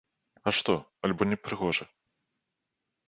А што, альбо не прыгожа?